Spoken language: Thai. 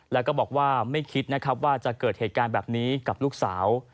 แล้วก็บอกว่าไม่คิดนะครับว่าจะเกิดเหตุการณ์แบบนี้กับลูกสาว